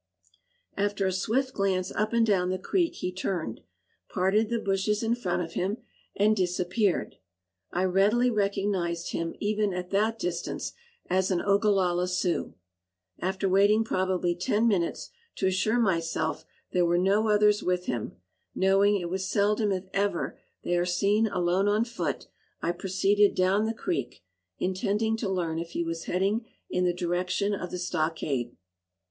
After a swift glance up and down the creek he turned, parted the bushes in front of him, and disappeared. I readily recognized him even at that distance as an Ogallala Sioux. After waiting probably ten minutes to assure myself there were no others with him, knowing it was seldom if ever they are seen alone on foot, I proceeded down the creek, intending to learn if he was heading in the direction of the stockade.